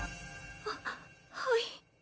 ははい。